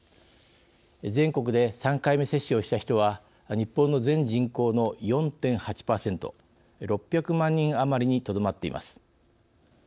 全国で３回目接種をした人は日本の全人口の４．８％６００万人余りにとどまっています。